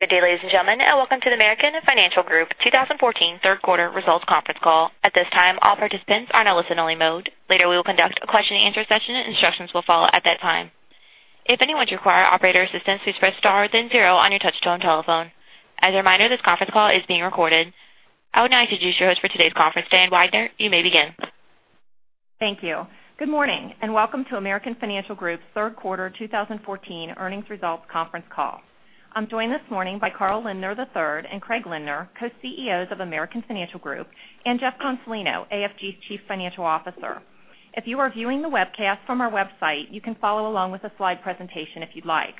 Good day, ladies and gentlemen, and welcome to the American Financial Group 2014 third quarter results conference call. At this time, all participants are in a listen only mode. Later, we will conduct a question and answer session, and instructions will follow at that time. If anyone's require operator assistance, please press star then zero on your touch-tone telephone. As a reminder, this conference call is being recorded. I would now introduce your host for today's conference, Diane Weidner. You may begin. Thank you. Good morning, welcome to American Financial Group's third quarter 2014 earnings results conference call. I'm joined this morning by Carl Lindner III and Craig Lindner, Co-CEOs of American Financial Group, and Jeff Consolino, AFG's Chief Financial Officer. If you are viewing the webcast from our website, you can follow along with the slide presentation if you'd like.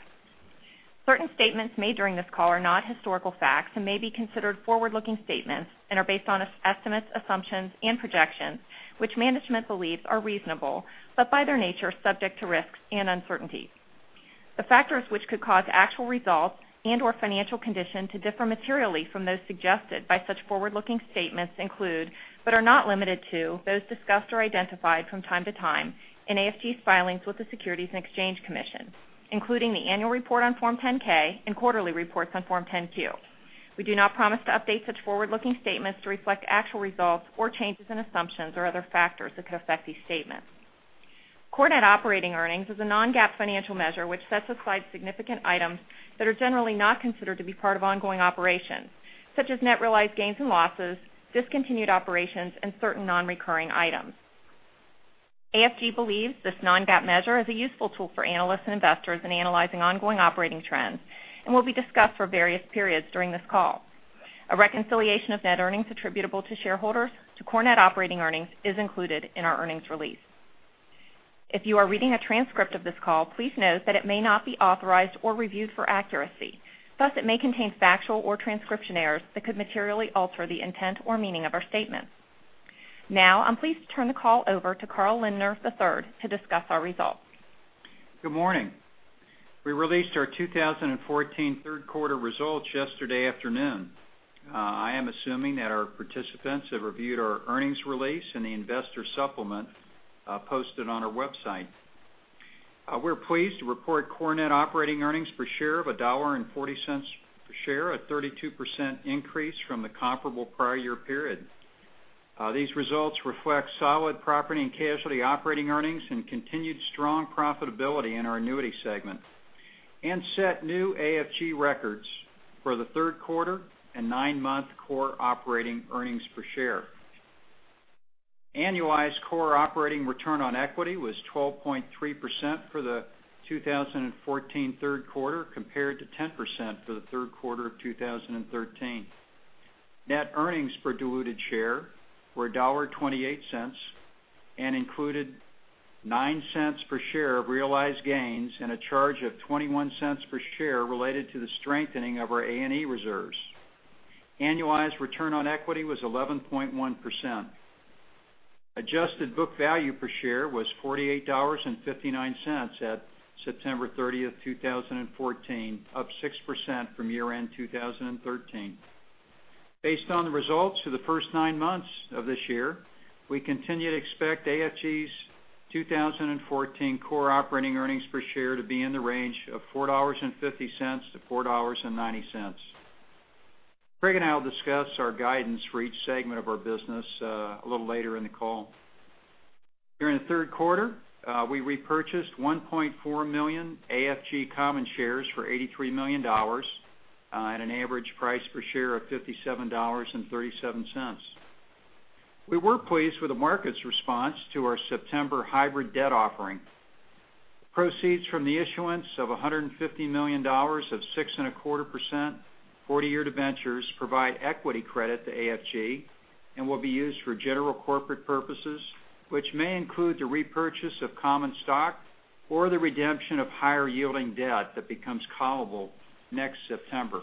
Certain statements made during this call are not historical facts and may be considered forward-looking statements and are based on estimates, assumptions and projections, which management believes are reasonable, but by their nature, subject to risks and uncertainties. The factors which could cause actual results and/or financial condition to differ materially from those suggested by such forward-looking statements include, but are not limited to, those discussed or identified from time to time in AFG's filings with the Securities and Exchange Commission, including the annual report on Form 10-K and quarterly reports on Form 10-Q. We do not promise to update such forward-looking statements to reflect actual results or changes in assumptions or other factors that could affect these statements. core net operating earnings is a non-GAAP financial measure which sets aside significant items that are generally not considered to be part of ongoing operations, such as net realized gains and losses, discontinued operations, and certain non-recurring items. AFG believes this non-GAAP measure is a useful tool for analysts and investors in analyzing ongoing operating trends, and will be discussed for various periods during this call. A reconciliation of net earnings attributable to shareholders to core net operating earnings is included in our earnings release. If you are reading a transcript of this call, please note that it may not be authorized or reviewed for accuracy, thus it may contain factual or transcription errors that could materially alter the intent or meaning of our statements. I'm pleased to turn the call over to Carl Lindner III to discuss our results. Good morning. We released our 2014 third quarter results yesterday afternoon. I am assuming that our participants have reviewed our earnings release and the investor supplement, posted on our website. We're pleased to report core net operating earnings per share of $1.40 per share, a 32% increase from the comparable prior year period. These results reflect solid property and casualty operating earnings and continued strong profitability in our annuity segment and set new AFG records for the third quarter and nine-month core operating earnings per share. Annualized core operating return on equity was 12.3% for the 2014 third quarter compared to 10% for the third quarter of 2013. Net earnings per diluted share were $1.28 and included $0.09 per share of realized gains and a charge of $0.21 per share related to the strengthening of our A&E reserves. Annualized return on equity was 11.1%. Adjusted book value per share was $48.59 at September 30th, 2014, up 6% from year-end 2013. Based on the results for the first nine months of this year, we continue to expect AFG's 2014 core operating earnings per share to be in the range of $4.50 to $4.90. Craig and I will discuss our guidance for each segment of our business a little later in the call. During the third quarter, we repurchased 1.4 million AFG common shares for $83 million at an average price per share of $57.37. We were pleased with the market's response to our September hybrid debt offering. Proceeds from the issuance of $150 million of 6.25%, 40-year debentures provide equity credit to AFG and will be used for general corporate purposes, which may include the repurchase of common stock or the redemption of higher yielding debt that becomes callable next September.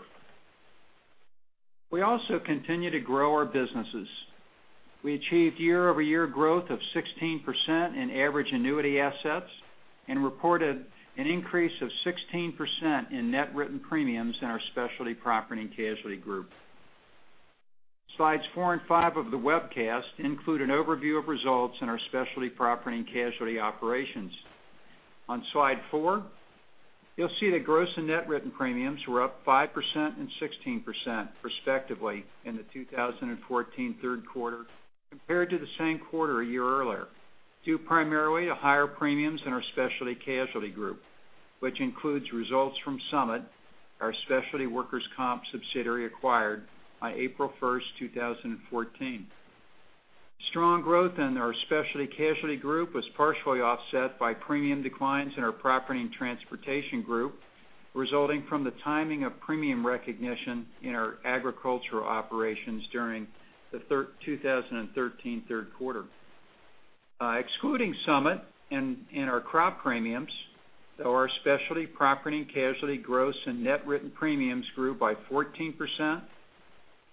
We also continue to grow our businesses. We achieved year-over-year growth of 16% in average annuity assets and reported an increase of 16% in net written premiums in our specialty property and casualty group. Slides four and five of the webcast include an overview of results in our specialty property and casualty operations. On slide four, you'll see that gross and net written premiums were up 5% and 16% respectively in the 2014 third quarter compared to the same quarter a year earlier, due primarily to higher premiums in our Specialty Casualty group, which includes results from Summit, our specialty workers comp subsidiary acquired on April 1st, 2014. Strong growth in our Specialty Casualty group was partially offset by premium declines in our Property and Transportation group, resulting from the timing of premium recognition in our agricultural operations during the 2013 third quarter. Excluding Summit and our crop premiums, our specialty property and casualty gross and net written premiums grew by 14%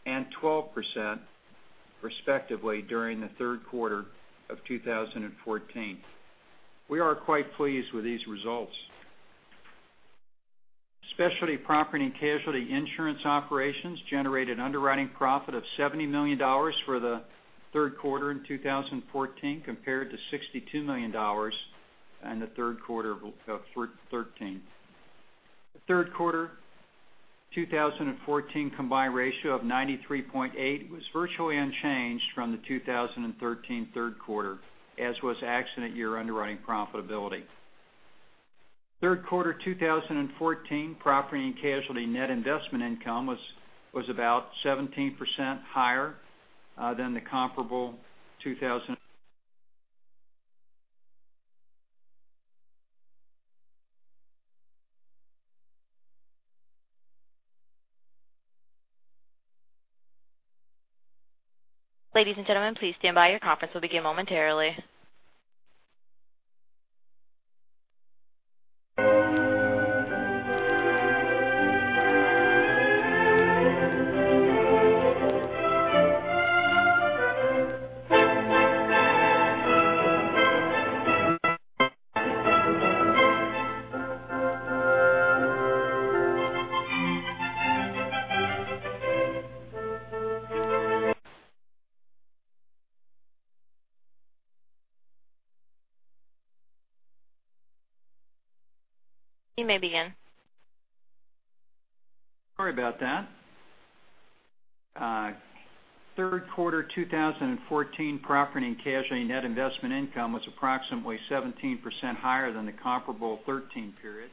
and 12% respectively during the third quarter of 2014. We are quite pleased with these results. Specialty property and casualty insurance operations generated underwriting profit of $70 million for the third quarter in 2014 compared to $62 million in the third quarter of 2013. The third quarter 2014 combined ratio of 93.8 was virtually unchanged from the 2013 third quarter, as was accident year underwriting profitability. Third quarter 2014 property and casualty net investment income was about 17% higher than the comparable 2000-. Ladies and gentlemen, please stand by. Your conference will begin momentarily. You may begin. Sorry about that. Third quarter 2014 property and casualty net investment income was approximately 17% higher than the comparable 2013 period,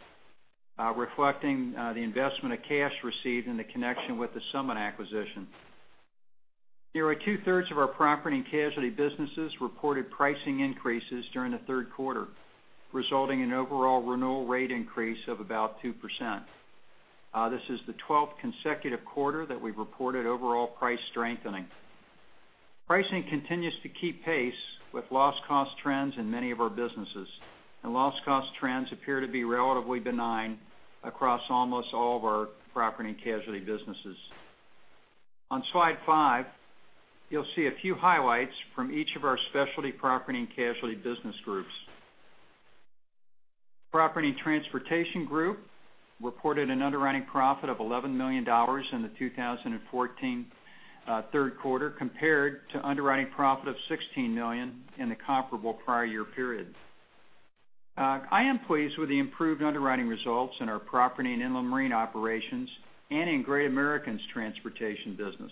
reflecting the investment of cash received in the connection with the Summit acquisition. Nearly two-thirds of our property and casualty businesses reported pricing increases during the third quarter, resulting in overall renewal rate increase of about 2%. This is the 12th consecutive quarter that we've reported overall price strengthening. Pricing continues to keep pace with loss cost trends in many of our businesses, and loss cost trends appear to be relatively benign across almost all of our property and casualty businesses. On slide five, you'll see a few highlights from each of our specialty property and casualty business groups. Property and Transportation Group reported an underwriting profit of $11 million in the 2014 third quarter compared to underwriting profit of $16 million in the comparable prior year period. I am pleased with the improved underwriting results in our property and inland marine operations and in Great American's transportation business.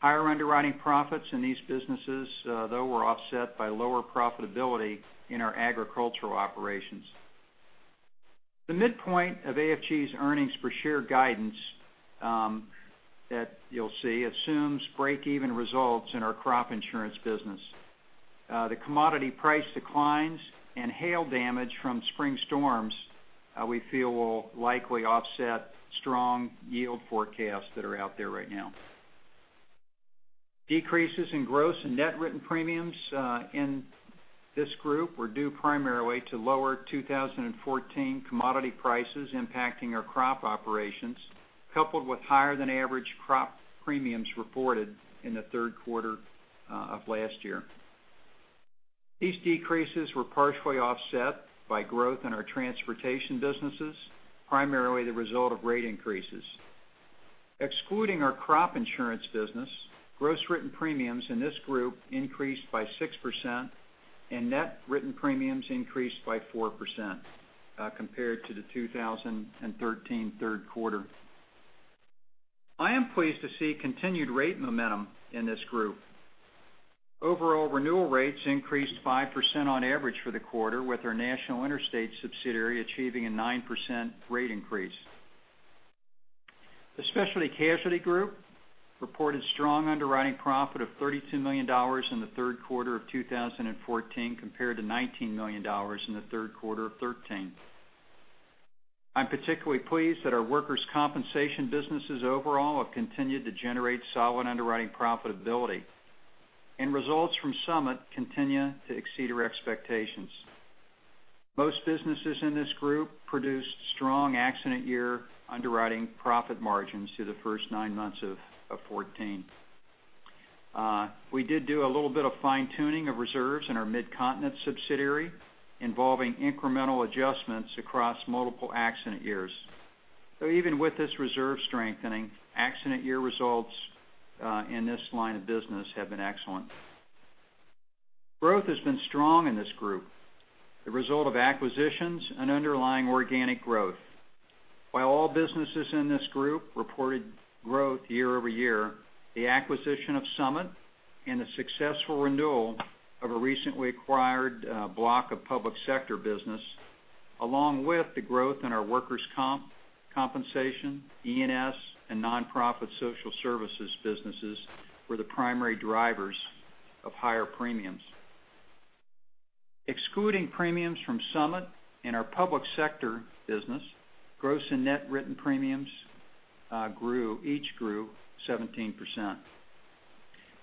Higher underwriting profits in these businesses, though, were offset by lower profitability in our agricultural operations. The midpoint of AFG's earnings per share guidance that you'll see assumes break-even results in our crop insurance business. The commodity price declines and hail damage from spring storms, we feel will likely offset strong yield forecasts that are out there right now. Decreases in gross and net written premiums in this group were due primarily to lower 2014 commodity prices impacting our crop operations, coupled with higher than average crop premiums reported in the third quarter of last year. These decreases were partially offset by growth in our transportation businesses, primarily the result of rate increases. Excluding our crop insurance business, gross written premiums in this group increased by 6%, and net written premiums increased by 4% compared to the 2013 third quarter. I am pleased to see continued rate momentum in this group. Overall renewal rates increased 5% on average for the quarter, with our National Interstate subsidiary achieving a 9% rate increase. The Specialty Casualty Group reported strong underwriting profit of $32 million in the third quarter of 2014 compared to $19 million in the third quarter of 2013. I'm particularly pleased that our workers' compensation businesses overall have continued to generate solid underwriting profitability, and results from Summit continue to exceed our expectations. Most businesses in this group produced strong accident year underwriting profit margins through the first nine months of 2014. We did do a little bit of fine-tuning of reserves in our Mid-Continent subsidiary, involving incremental adjustments across multiple accident years. Even with this reserve strengthening, accident year results in this line of business have been excellent. Growth has been strong in this group, the result of acquisitions and underlying organic growth. While all businesses in this group reported growth year-over-year, the acquisition of Summit and the successful renewal of a recently acquired block of public sector business, along with the growth in our workers' compensation, E&S, and nonprofit social services businesses, were the primary drivers of higher premiums. Excluding premiums from Summit and our public sector business, gross and net written premiums each grew 17%.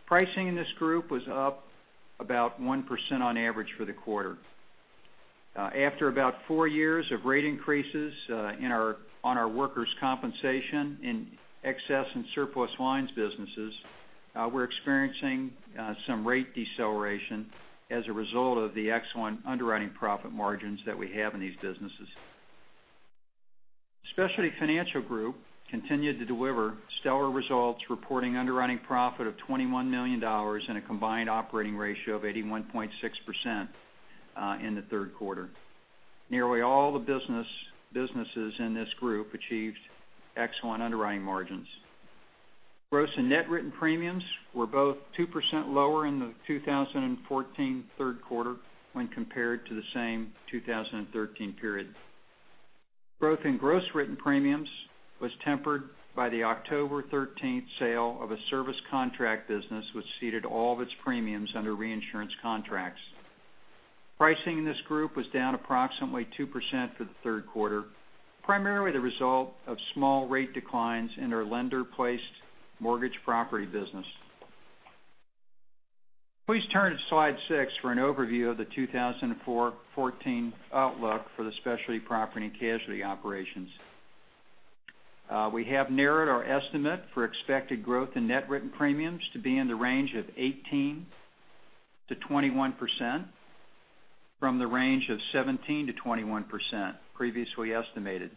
Pricing in this group was up about 1% on average for the quarter. After about four years of rate increases on our workers' compensation in excess and surplus lines businesses, we're experiencing some rate deceleration as a result of the excellent underwriting profit margins that we have in these businesses. Specialty Financial Group continued to deliver stellar results, reporting underwriting profit of $21 million and a combined operating ratio of 81.6% in the third quarter. Nearly all the businesses in this group achieved excellent underwriting margins. Gross and net written premiums were both 2% lower in the 2014 third quarter when compared to the same 2013 period. Growth in gross written premiums was tempered by the October 13th sale of a service contract business which ceded all of its premiums under reinsurance contracts. Pricing in this group was down approximately 2% for the third quarter, primarily the result of small rate declines in our lender-placed mortgage property business. Please turn to Slide 6 for an overview of the 2014 outlook for the Specialty Property & Casualty operations. We have narrowed our estimate for expected growth in net written premiums to be in the range of 18%-21%, from the range of 17%-21% previously estimated.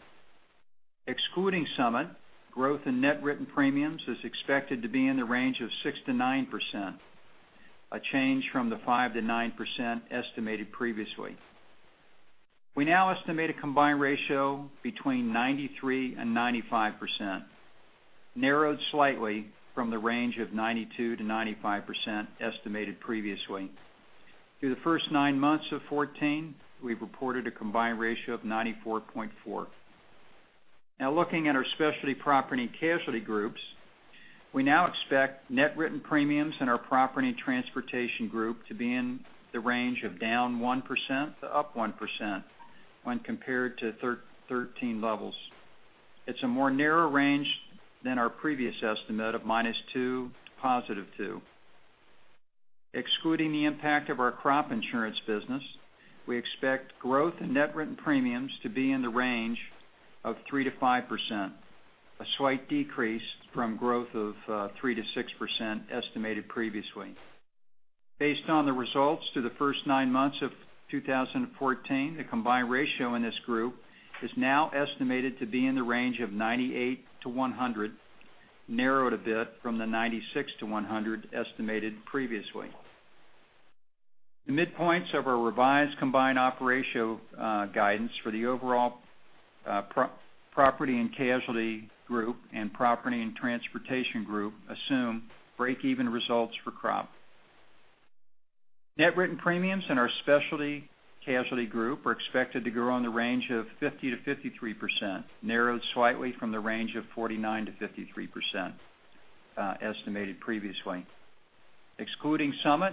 Excluding Summit, growth in net written premiums is expected to be in the range of 6%-9%, a change from the 5%-9% estimated previously. We now estimate a combined ratio between 93% and 95%, narrowed slightly from the range of 92%-95% estimated previously. Through the first nine months of 2014, we've reported a combined ratio of 94.4%. Looking at our Specialty Property & Casualty groups, we now expect net written premiums in our Property & Transportation group to be in the range of down 1% to up 1% when compared to 2013 levels. It's a more narrow range than our previous estimate of -2% to +2%. Excluding the impact of our crop insurance business, we expect growth in net written premiums to be in the range of 3%-5%, a slight decrease from growth of 3%-6% estimated previously. Based on the results through the first nine months of 2014, the combined ratio in this group is now estimated to be in the range of 98%-100%, narrowed a bit from the 96%-100% estimated previously. The midpoints of our revised combined operation guidance for the overall Property & Casualty group and Property & Transportation group assume breakeven results for crop. Net written premiums in our Specialty Casualty group are expected to grow in the range of 50%-53%, narrowed slightly from the range of 49%-53% estimated previously. Excluding Summit,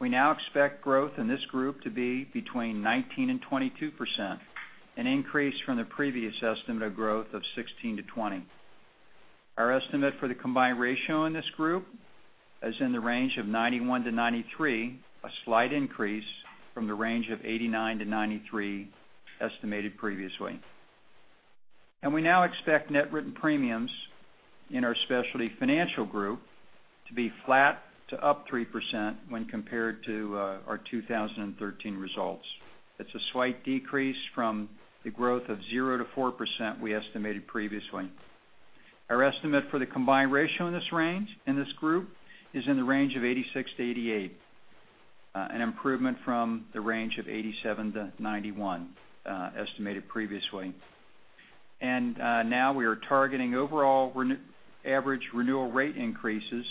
we now expect growth in this group to be between 19% and 22%, an increase from the previous estimate of growth of 16%-20%. Our estimate for the combined ratio in this group is in the range of 91%-93%, a slight increase from the range of 89%-93% estimated previously. We now expect net written premiums in our Specialty Financial group to be flat to up 3% when compared to our 2013 results. It's a slight decrease from the growth of 0%-4% we estimated previously. Our estimate for the combined ratio in this group is in the range of 86%-88%, an improvement from the range of 87%-91% estimated previously. Now we are targeting overall average renewal rate increases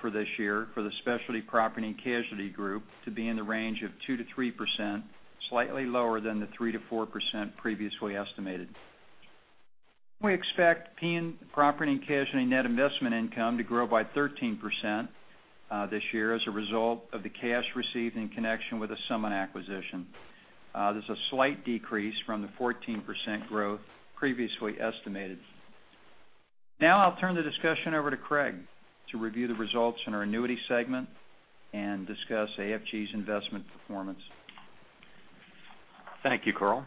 for this year for the Specialty Property & Casualty group to be in the range of 2%-3%, slightly lower than the 3%-4% previously estimated. We expect Property & Casualty net investment income to grow by 13% this year as a result of the cash received in connection with the Summit acquisition. This is a slight decrease from the 14% growth previously estimated. Now I'll turn the discussion over to Craig to review the results in our Annuity segment and discuss AFG's investment performance. Thank you, Carl.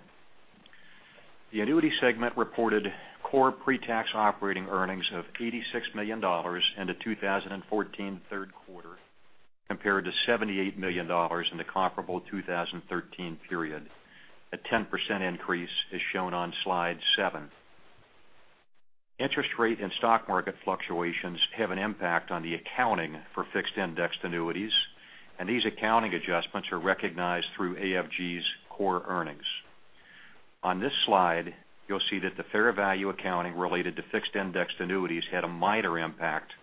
The Annuity segment reported core pre-tax operating earnings of $86 million in the 2014 third quarter, compared to $78 million in the comparable 2013 period. A 10% increase is shown on Slide seven. Interest rate and stock market fluctuations have an impact on the accounting for fixed-indexed annuities, and these accounting adjustments are recognized through AFG's core earnings. On this slide, you'll see that the fair value accounting related to fixed-indexed annuities had a minor impact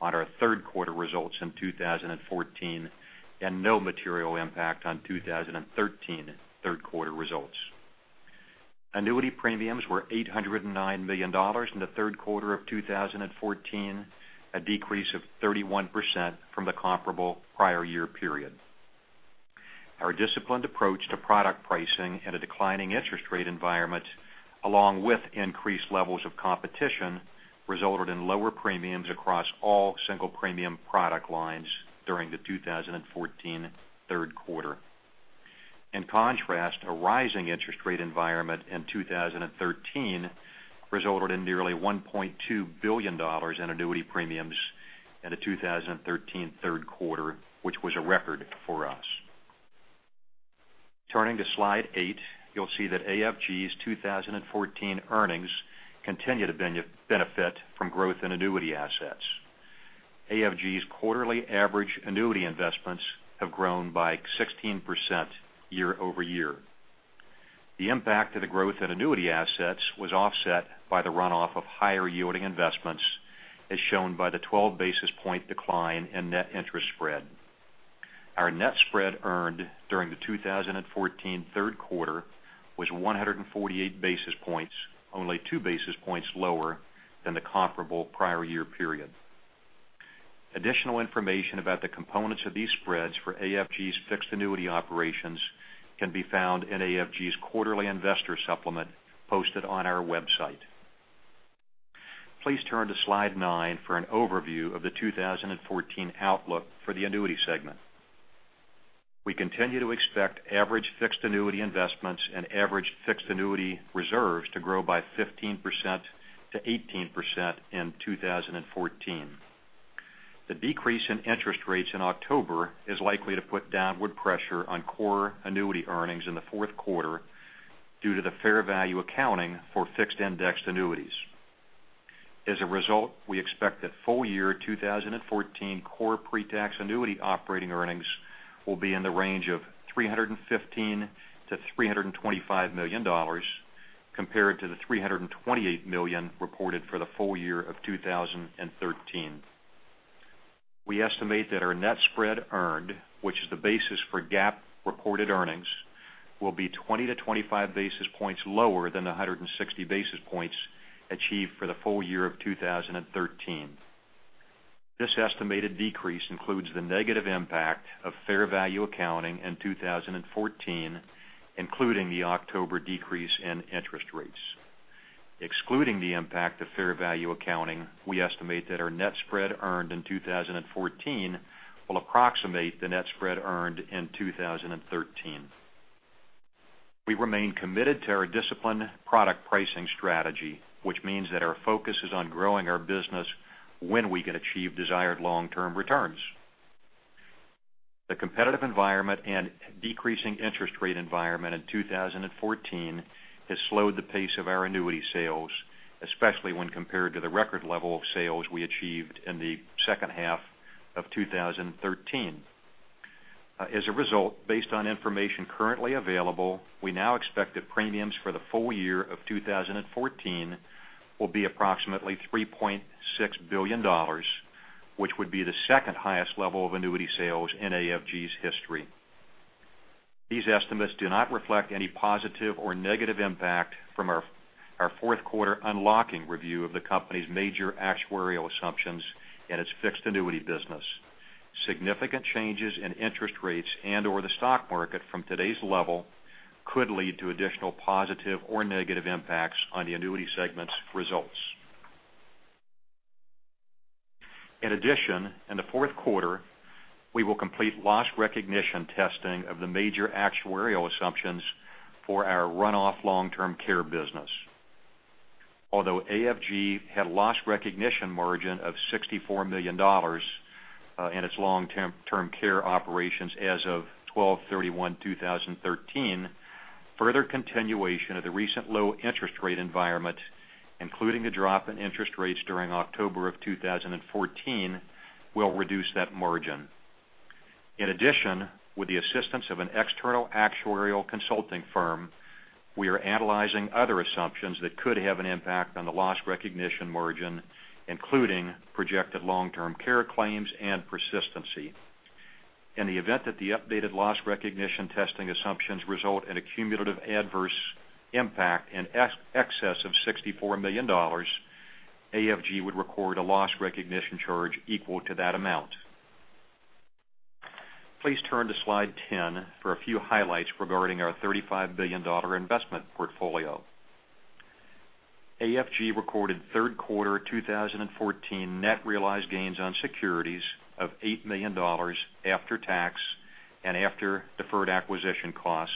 on our third quarter results in 2014 and no material impact on 2013 third quarter results. Annuity premiums were $809 million in the third quarter of 2014, a decrease of 31% from the comparable prior year period. Our disciplined approach to product pricing in a declining interest rate environment, along with increased levels of competition, resulted in lower premiums across all single premium product lines during the 2014 third quarter. In contrast, a rising interest rate environment in 2013 resulted in nearly $1.2 billion in annuity premiums in the 2013 third quarter, which was a record for us. Turning to Slide eight, you'll see that AFG's 2014 earnings continue to benefit from growth in annuity assets. AFG's quarterly average annuity investments have grown by 16% year-over-year. The impact of the growth in annuity assets was offset by the runoff of higher yielding investments, as shown by the 12 basis point decline in net interest spread. Our net spread earned during the 2014 third quarter was 148 basis points, only two basis points lower than the comparable prior year period. Additional information about the components of these spreads for AFG's fixed annuity operations can be found in AFG's quarterly investor supplement posted on our website. Please turn to Slide nine for an overview of the 2014 outlook for the annuity segment. We continue to expect average fixed annuity investments and average fixed annuity reserves to grow by 15%-18% in 2014. The decrease in interest rates in October is likely to put downward pressure on core annuity earnings in the fourth quarter due to the fair value accounting for fixed-indexed annuities. As a result, we expect that full year 2014 core pre-tax annuity operating earnings will be in the range of $315 million-$325 million, compared to the $328 million reported for the full year of 2013. We estimate that our net spread earned, which is the basis for GAAP reported earnings, will be 20-25 basis points lower than the 160 basis points achieved for the full year of 2013. This estimated decrease includes the negative impact of fair value accounting in 2014, including the October decrease in interest rates. Excluding the impact of fair value accounting, we estimate that our net spread earned in 2014 will approximate the net spread earned in 2013. We remain committed to our disciplined product pricing strategy, which means that our focus is on growing our business when we can achieve desired long-term returns. The competitive environment and decreasing interest rate environment in 2014 has slowed the pace of our annuity sales, especially when compared to the record level of sales we achieved in the second half of 2013. As a result, based on information currently available, we now expect that premiums for the full year of 2014 will be approximately $3.6 billion, which would be the second highest level of annuity sales in AFG's history. These estimates do not reflect any positive or negative impact from our fourth quarter unlocking review of the company's major actuarial assumptions and its fixed annuity business. Significant changes in interest rates and/or the stock market from today's level could lead to additional positive or negative impacts on the annuity segment's results. In addition, in the fourth quarter, we will complete loss recognition testing of the major actuarial assumptions for our runoff long-term care business. Although AFG had loss recognition margin of $64 million in its long-term care operations as of 12/31/2013, further continuation of the recent low interest rate environment, including the drop in interest rates during October of 2014, will reduce that margin. In addition, with the assistance of an external actuarial consulting firm, we are analyzing other assumptions that could have an impact on the loss recognition margin, including projected long-term care claims and persistency. In the event that the updated loss recognition testing assumptions result in a cumulative adverse impact in excess of $64 million, AFG would record a loss recognition charge equal to that amount. Please turn to Slide 10 for a few highlights regarding our $35 billion investment portfolio. AFG recorded third quarter 2014 net realized gains on securities of $8 million after tax and after deferred acquisition costs,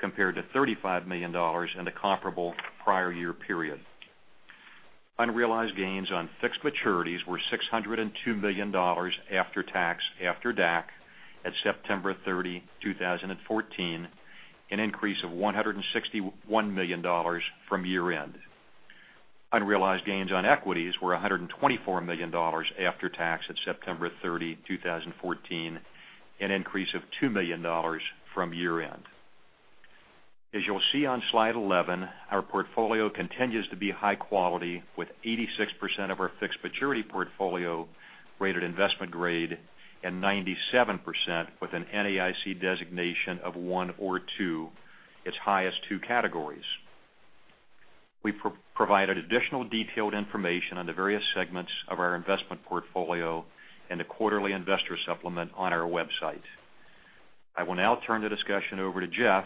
compared to $35 million in the comparable prior year period. Unrealized gains on fixed maturities were $602 million after tax, after DAC, at September 30, 2014, an increase of $161 million from year-end. Unrealized gains on equities were $124 million after tax at September 30, 2014, an increase of $2 million from year-end. As you'll see on slide 11, our portfolio continues to be high quality, with 86% of our fixed maturity portfolio rated investment-grade, and 97% with an NAIC designation of 1 or 2, its highest two categories. We provided additional detailed information on the various segments of our investment portfolio in the quarterly investor supplement on our website. I will now turn the discussion over to Jeff,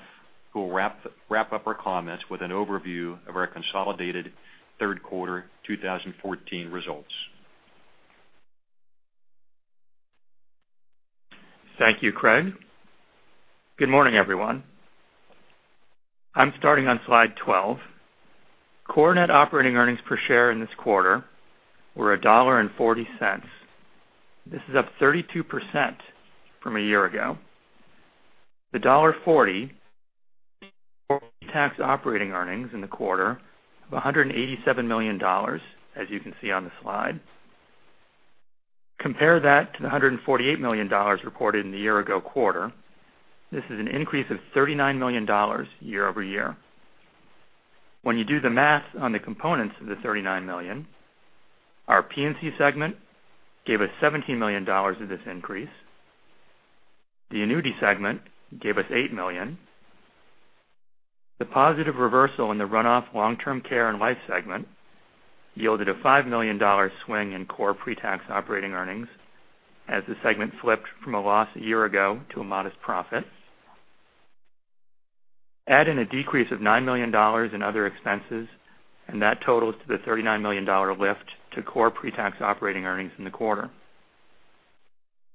who will wrap up our comments with an overview of our consolidated third quarter 2014 results. Thank you, Craig. Good morning, everyone. I'm starting on slide 12. Core net operating earnings per share in this quarter were $1.40. This is up 32% from a year ago. The $1.40 tax operating earnings in the quarter of $187 million, as you can see on the slide. Compare that to the $148 million reported in the year-ago quarter. This is an increase of $39 million year-over-year. When you do the math on the components of the $39 million, our P&C segment gave us $17 million of this increase. The annuity segment gave us $8 million. The positive reversal in the run-off long-term care and life segment yielded a $5 million swing in core pre-tax operating earnings, as the segment flipped from a loss a year ago to a modest profit. Add in a decrease of $9 million in other expenses, and that totals to the $39 million lift to core pre-tax operating earnings in the quarter.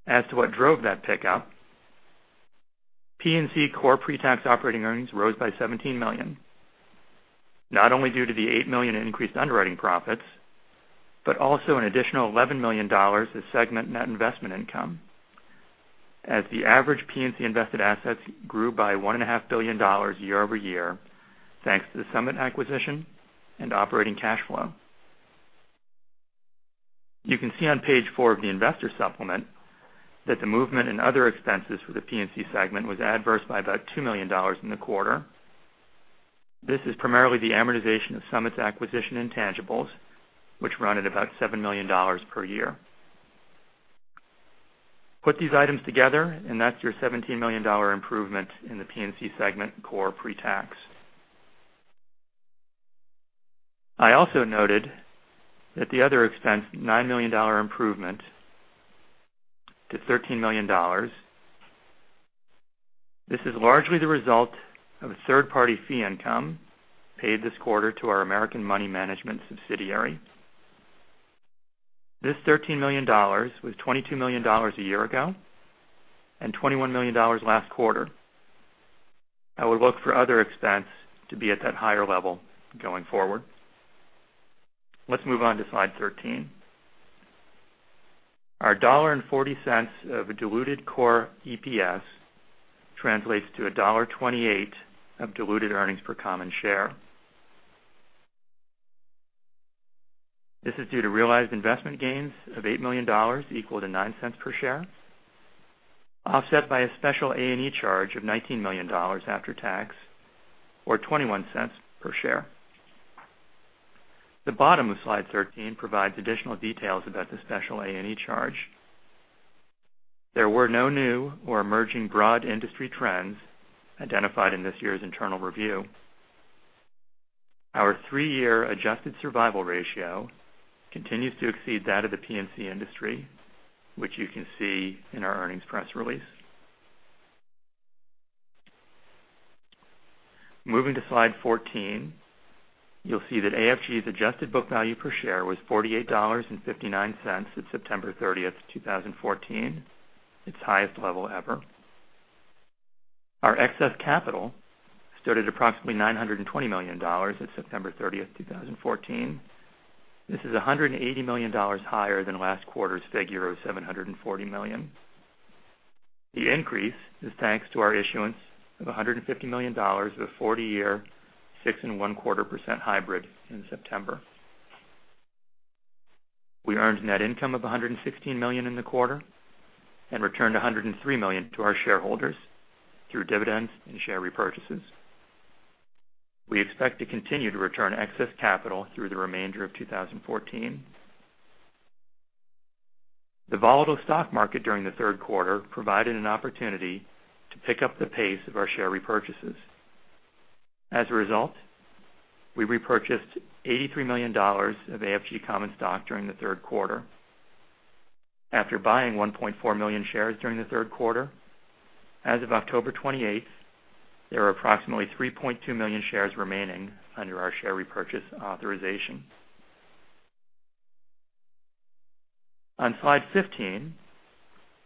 As to what drove that pickup, P&C core pre-tax operating earnings rose by $17 million, not only due to the $8 million in increased underwriting profits, but also an additional $11 million as segment net investment income. As the average P&C invested assets grew by $1.5 billion year-over-year, thanks to the Summit acquisition and operating cash flow. You can see on page four of the investor supplement that the movement in other expenses for the P&C segment was adverse by about $2 million in the quarter. This is primarily the amortization of Summit's acquisition intangibles, which run at about $7 million per year. Put these items together, and that's your $17 million improvement in the P&C segment core pre-tax. I also noted that the other expense, $9 million improvement to $13 million. This is largely the result of a third-party fee income paid this quarter to our American Money Management subsidiary. This $13 million was $22 million a year ago and $21 million last quarter. I would look for other expense to be at that higher level going forward. Let's move on to slide 13. Our $1.40 of diluted core EPS translates to $1.28 of diluted earnings per common share. This is due to realized investment gains of $8 million, equal to $0.09 per share, offset by a special A&E charge of $19 million after tax, or $0.21 per share. The bottom of slide 13 provides additional details about the special A&E charge. There were no new or emerging broad industry trends identified in this year's internal review. Our three-year adjusted survival ratio continues to exceed that of the P&C industry, which you can see in our earnings press release. Moving to slide 14, you'll see that AFG's adjusted book value per share was $48.59 at September 30th, 2014, its highest level ever. Our excess capital stood at approximately $920 million at September 30th, 2014. This is $180 million higher than last quarter's figure of $740 million. The increase is thanks to our issuance of $150 million of a 40-year six-and-one-quarter percent hybrid in September. We earned net income of $116 million in the quarter and returned $103 million to our shareholders through dividends and share repurchases. We expect to continue to return excess capital through the remainder of 2014. The volatile stock market during the third quarter provided an opportunity to pick up the pace of our share repurchases. As a result, we repurchased $83 million of AFG common stock during the third quarter. After buying 1.4 million shares during the third quarter, as of October 28th, there are approximately 3.2 million shares remaining under our share repurchase authorization. On slide 15,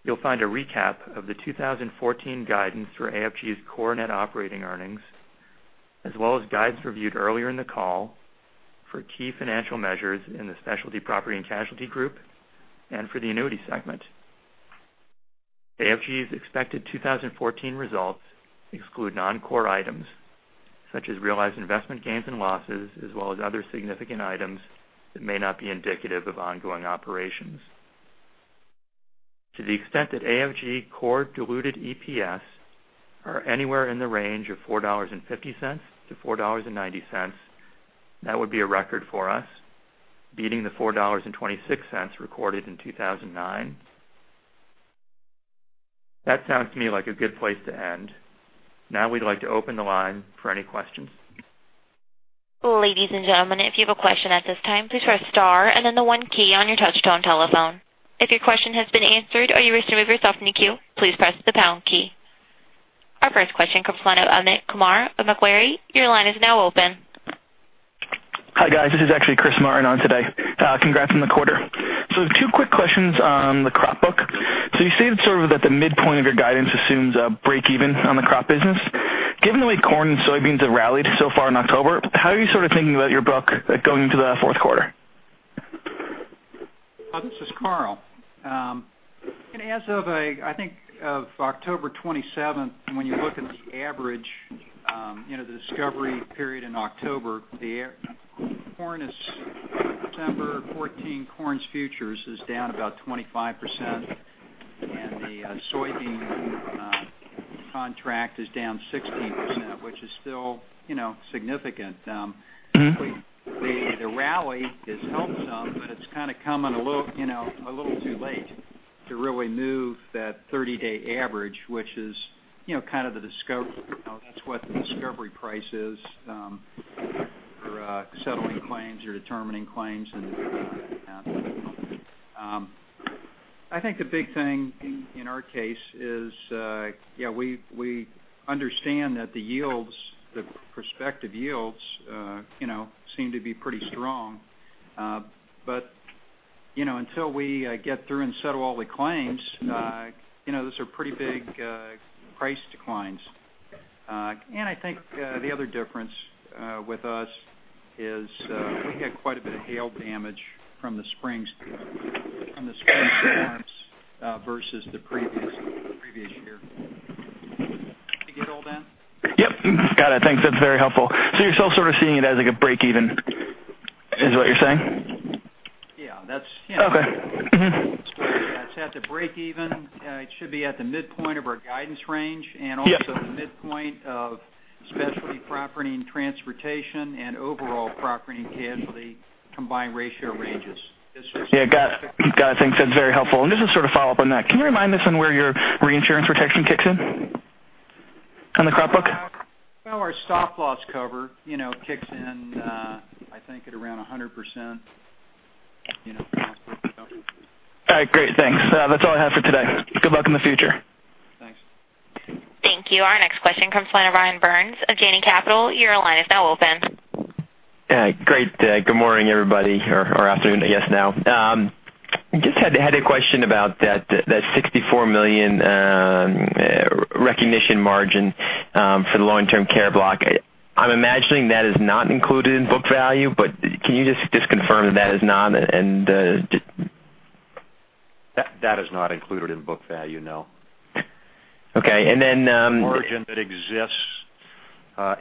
you'll find a recap of the 2014 guidance for AFG's core net operating earnings, as well as guides reviewed earlier in the call for key financial measures in the Specialty Property and Casualty Group and for the annuity segment. AFG's expected 2014 results exclude non-core items such as realized investment gains and losses, as well as other significant items that may not be indicative of ongoing operations. To the extent that AFG core diluted EPS are anywhere in the range of $4.50 to $4.90, that would be a record for us, beating the $4.26 recorded in 2009. That sounds to me like a good place to end. Now we'd like to open the line for any questions. Ladies and gentlemen, if you have a question at this time, please press star and then the one key on your touch-tone telephone. If your question has been answered or you wish to remove yourself from the queue, please press the pound key. Our first question comes from the line of Amit Kumar of Macquarie. Your line is now open. Guys, this is actually Chris Martin on today. Congrats on the quarter. Two quick questions on the crop book. You said sort of that the midpoint of your guidance assumes a break-even on the crop business. Given the way corn and soybeans have rallied so far in October, how are you sort of thinking about your book going into the fourth quarter? This is Carl. As of, I think, of October 27th, when you look at the average, the discovery period in October, September 14, corn's futures is down about 25%, and the soybean contract is down 16%, which is still significant. The rally has helped some, but it's kind of coming a little too late to really move that 30-day average, which is kind of the discovery. That's what the discovery price is for settling claims or determining claims. The big thing in our case is we understand that the yields, the prospective yields seem to be pretty strong. Until we get through and settle all the claims, those are pretty big price declines. I think the other difference with us is we had quite a bit of hail damage from the spring storms versus the previous year. Did you get all that? Yep. Got it. Thanks. That's very helpful. You're still sort of seeing it as like a break-even is what you're saying? Yeah. Okay. It's at the break even. It should be at the midpoint of our guidance range. Yeah Also the midpoint of Specialty Property and Transportation and overall property and casualty combined ratio ranges. Yeah. Got it. Thanks. That's very helpful. Just to sort of follow up on that, can you remind us on where your reinsurance protection kicks in on the crop book? Well, our stop loss cover kicks in, I think, at around 100%. All right, great. Thanks. That's all I have for today. Good luck in the future. Thanks. Thank you. Our next question comes from the line of Ryan Burns of Janney Capital. Your line is now open. Great. Good morning, everybody, or afternoon, I guess now. Just had a question about that $64 million recognition margin for the long-term care block. I'm imagining that is not included in book value, but can you just confirm that that is not? That is not included in book value, no. Okay. The margin that exists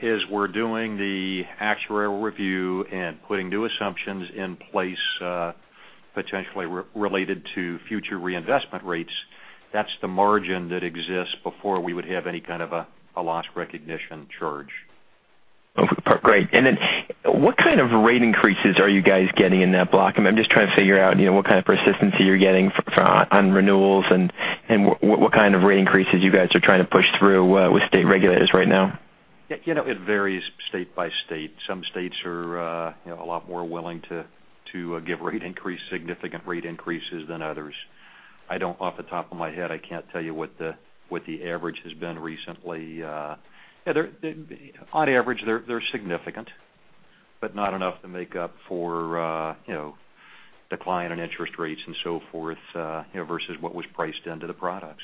is we're doing the actuarial review and putting new assumptions in place, potentially related to future reinvestment rates. That's the margin that exists before we would have any kind of a loss recognition charge. Great. What kind of rate increases are you guys getting in that block? I am just trying to figure out what kind of persistency you are getting on renewals and what kind of rate increases you guys are trying to push through with state regulators right now. It varies state by state. Some states are a lot more willing to give significant rate increases than others. Off the top of my head, I cannot tell you what the average has been recently. On average, they are significant, but not enough to make up for decline in interest rates and so forth, versus what was priced into the products.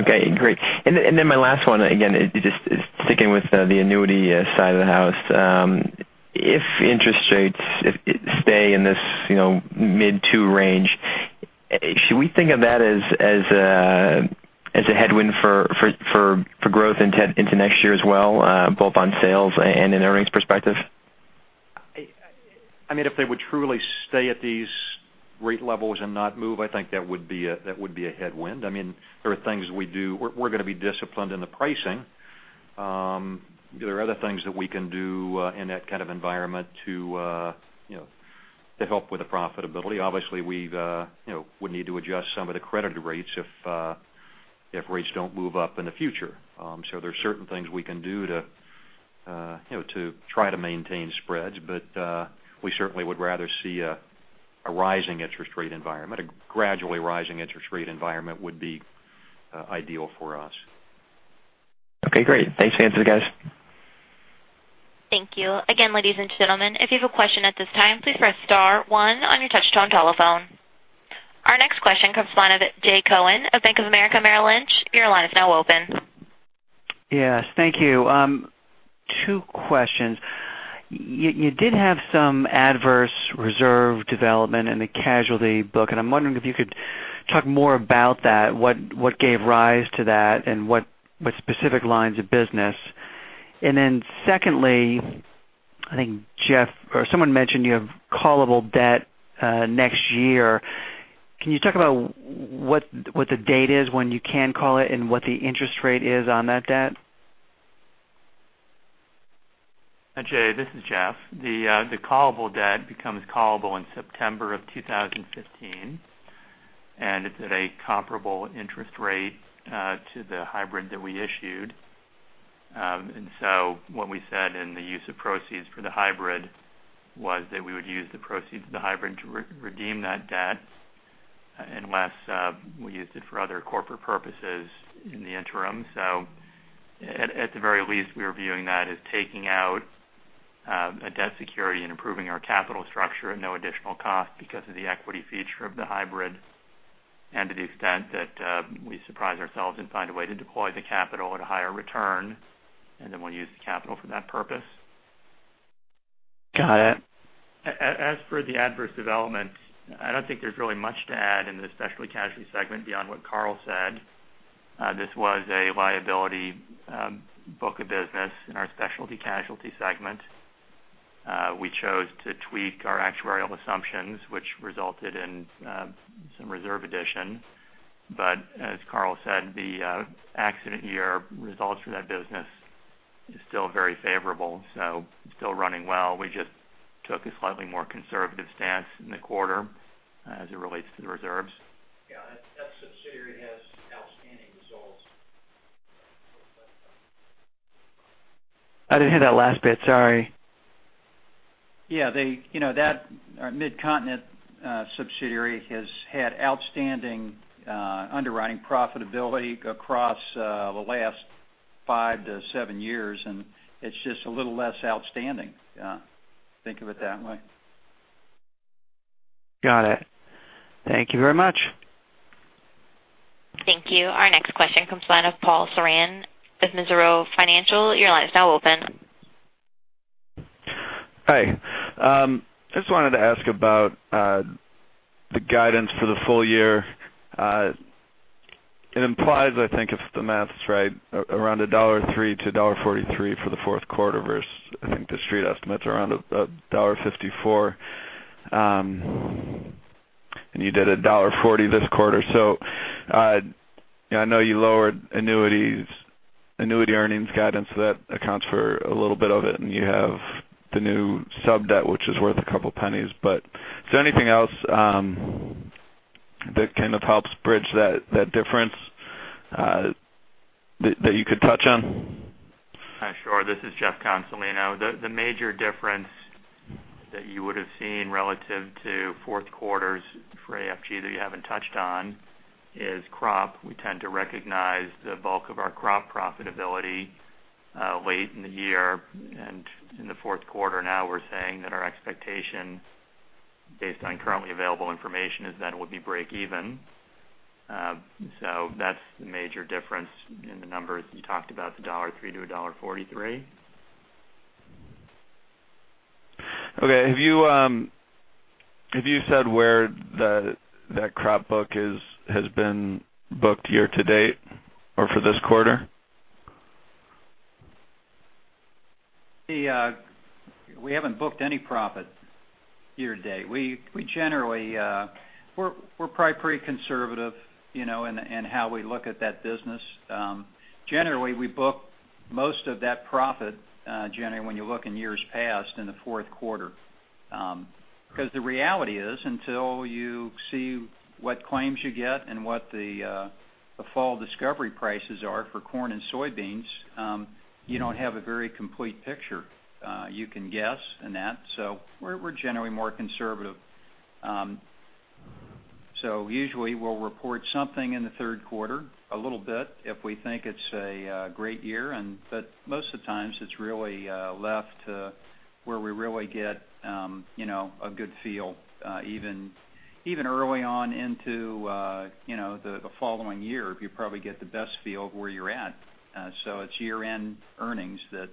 Okay, great. My last one, again, just sticking with the annuity side of the house. If interest rates stay in this mid two range, should we think of that as a headwind for growth into next year as well, both on sales and in earnings perspective? If they would truly stay at these rate levels and not move, I think that would be a headwind. There are things we do. We are going to be disciplined in the pricing. There are other things that we can do in that kind of environment to help with the profitability. Obviously, we would need to adjust some of the credited rates if rates do not move up in the future. There are certain things we can do to try to maintain spreads, but we certainly would rather see a rising interest rate environment. A gradually rising interest rate environment would be ideal for us. Okay, great. Thanks for the answer, guys. Thank you. Again, ladies and gentlemen, if you have a question at this time, please press star one on your touch-tone telephone. Our next question comes from the line of Jay Cohen of Bank of America Merrill Lynch. Your line is now open. Yes. Thank you. Two questions. You did have some adverse reserve development in the casualty book, and I'm wondering if you could talk more about that. What gave rise to that and what specific lines of business? Secondly, I think Jeff or someone mentioned you have callable debt next year. Can you talk about what the date is when you can call it and what the interest rate is on that debt? Jay, this is Jeff. The callable debt becomes callable in September of 2015. It's at a comparable interest rate to the hybrid that we issued. What we said in the use of proceeds for the hybrid was that we would use the proceeds of the hybrid to redeem that debt unless we used it for other corporate purposes in the interim. At the very least, we are viewing that as taking out a debt security and improving our capital structure at no additional cost because of the equity feature of the hybrid. To the extent that we surprise ourselves and find a way to deploy the capital at a higher return, then we'll use the capital for that purpose. Got it. As for the adverse development, I don't think there's really much to add in the Specialty Casualty segment beyond what Carl said. This was a liability book of business in our Specialty Casualty segment. We chose to tweak our actuarial assumptions, which resulted in some reserve addition. As Carl said, the accident year results for that business is still very favorable. Still running well. We just took a slightly more conservative stance in the quarter as it relates to the reserves. Yeah, that subsidiary has outstanding results. I didn't hear that last bit, sorry. Yeah, that Mid-continent subsidiary has had outstanding underwriting profitability across the last five to seven years, it's just a little less outstanding. Think of it that way. Got it. Thank you very much. Thank you. Our next question comes line of Paul Newsome with Mizuho Financial. Your line is now open. Hi. I just wanted to ask about the guidance for the full year. It implies, I think, if the math's right, around $1.03-$1.43 for the fourth quarter versus, I think the street estimates are around $1.54. You did $1.40 this quarter. I know you lowered annuity earnings guidance, so that accounts for a little bit of it. You have the new sub-debt, which is worth $0.02. Is there anything else that kind of helps bridge that difference that you could touch on? Sure. This is Jeff Consolino. The major difference that you would have seen relative to fourth quarters for AFG that you haven't touched on is crop. We tend to recognize the bulk of our crop profitability late in the year and in the fourth quarter. Now we're saying that our expectation based on currently available information is that it would be break even. That's the major difference in the numbers you talked about, the $1.03-$1.43. Okay. Have you said where that crop book has been booked year to date or for this quarter? We haven't booked any profit year to date. We're probably pretty conservative in how we look at that business. Generally, we book most of that profit, generally, when you look in years past, in the fourth quarter. The reality is, until you see what claims you get and what the fall discovery prices are for corn and soybeans, you don't have a very complete picture. You can guess in that. We're generally more conservative. Usually we'll report something in the third quarter a little bit if we think it's a great year. Most of the times it's really left to where we really get a good feel even early on into the following year, you probably get the best feel of where you're at. It's year-end earnings that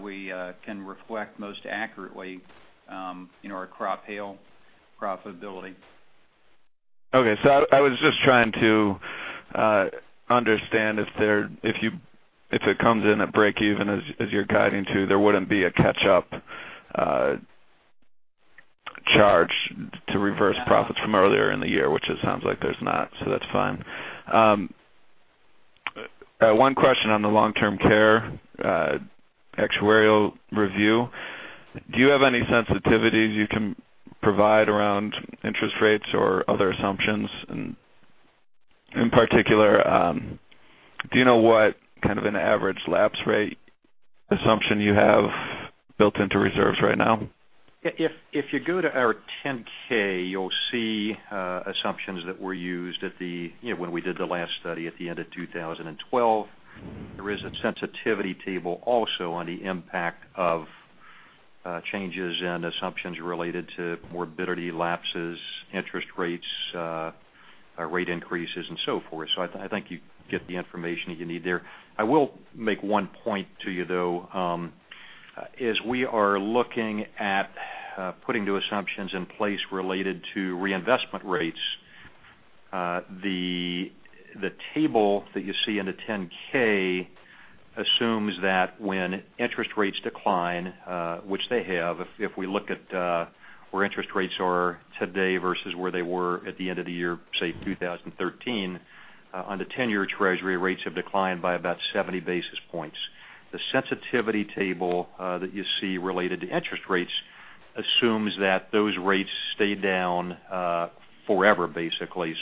we can reflect most accurately our crop hail profitability. Okay. I was just trying to understand if it comes in at break even as you're guiding to, there wouldn't be a catch-up charge to reverse profits from earlier in the year, which it sounds like there's not. That's fine. One question on the long-term care actuarial review. Do you have any sensitivities you can provide around interest rates or other assumptions? In particular, do you know what kind of an average lapse rate assumption you have built into reserves right now? If you go to our 10-K, you'll see assumptions that were used when we did the last study at the end of 2012. There is a sensitivity table also on the impact of changes in assumptions related to morbidity lapses, interest rates, rate increases, and so forth. I think you get the information that you need there. I will make one point to you, though. As we are looking at putting new assumptions in place related to reinvestment rates, the table that you see in the 10-K assumes that when interest rates decline, which they have, if we look at where interest rates are today versus where they were at the end of the year, say, 2013, on the 10-year Treasury, rates have declined by about 70 basis points. The sensitivity table that you see related to interest rates assumes that those rates stay down forever, basically.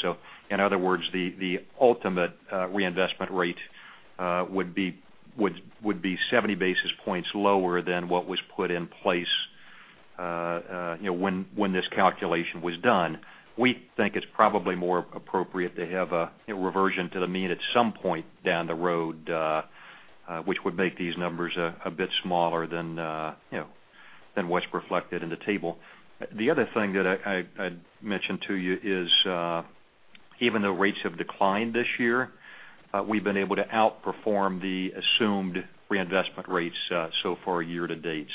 In other words, the ultimate reinvestment rate would be 70 basis points lower than what was put in place When this calculation was done, we think it's probably more appropriate to have a reversion to the mean at some point down the road, which would make these numbers a bit smaller than what's reflected in the table. The other thing that I'd mention to you is, even though rates have declined this year, we've been able to outperform the assumed reinvestment rates so far year to date.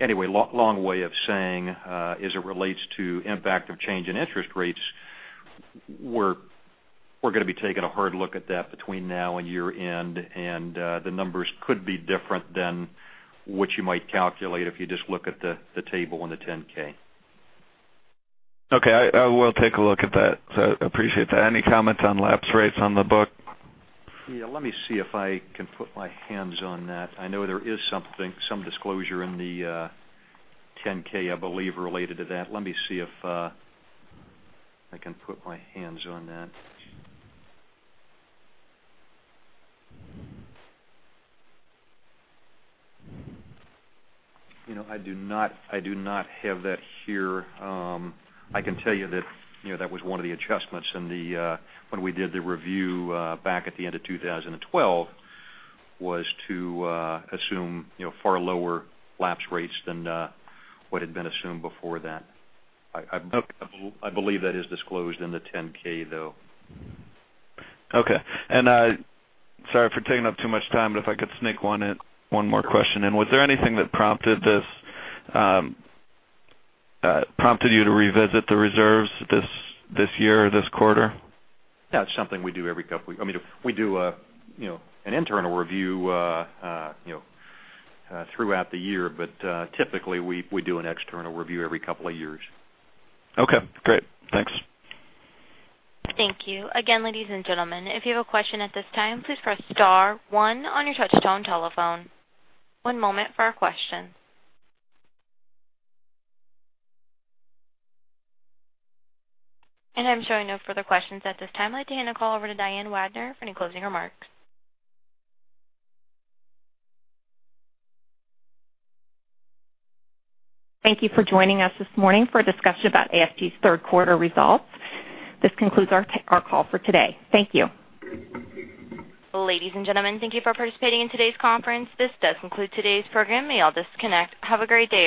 Long way of saying, as it relates to impact of change in interest rates, we're going to be taking a hard look at that between now and year-end, and the numbers could be different than what you might calculate if you just look at the table in the 10-K. Okay. I will take a look at that. Appreciate that. Any comment on lapse rates on the book? Yeah. Let me see if I can put my hands on that. I know there is some disclosure in the 10-K, I believe, related to that. Let me see if I can put my hands on that. I do not have that here. I can tell you that was one of the adjustments when we did the review back at the end of 2012, was to assume far lower lapse rates than what had been assumed before then. Okay. I believe that is disclosed in the 10-K, though. Okay. Sorry for taking up too much time, but if I could sneak one more question in. Was there anything that prompted you to revisit the reserves this year or this quarter? Yeah, it's something we do. We do an internal review throughout the year. Typically, we do an external review every couple of years. Okay, great. Thanks. Thank you. Again, ladies and gentlemen, if you have a question at this time, please press star one on your touch-tone telephone. One moment for our questions. I'm showing no further questions at this time. I'd like to hand the call over to Diane Weidner for any closing remarks. Thank you for joining us this morning for a discussion about AFG's third quarter results. This concludes our call for today. Thank you. Ladies and gentlemen, thank you for participating in today's conference. This does conclude today's program. You may all disconnect. Have a great day.